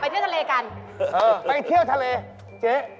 เฮ่ยเจ๊